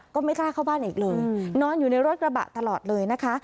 ก็ไม่กล้าเข้าบ้านอีกเลยนอนอยู่ในรถกระบะตลอดเลยนะคะ